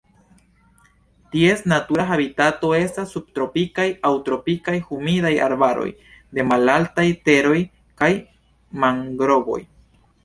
Ties natura habitato estas subtropikaj aŭ tropikaj humidaj arbaroj de malaltaj teroj kaj mangrovoj.